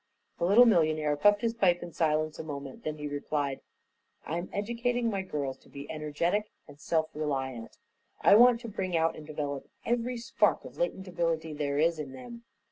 The little millionaire puffed his pipe in silence a moment. Then he replied: "I'm educating my girls to be energetic and self reliant. I want to bring out and develop every spark of latent ability there is in them.